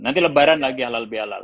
nanti lebaran lagi halal be halal